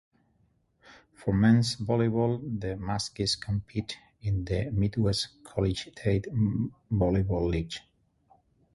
For men's volleyball, the Muskies compete in the Midwest Collegiate Volleyball League.